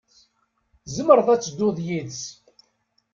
Tzemreḍ ad tedduḍ yid-s.